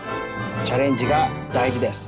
チャレンジがだいじです。